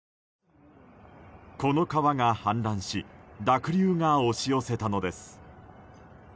この川が氾濫し濁流が押し寄せたのです。